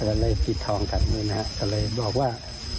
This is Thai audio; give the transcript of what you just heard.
ตลอดเลยกินทองกับเมืองครับตำเลยบอกว่า